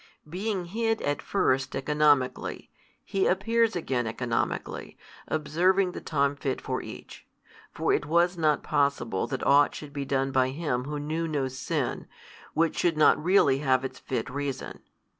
Being hid at first economically, He appears again economically, observing the time fit for each. For it was not possible that ought should be done by Him Who knew no sin, which should not really have its fit reason.